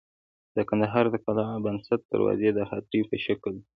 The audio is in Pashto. د کندهار د قلعه بست دروازې د هاتیو په شکل وې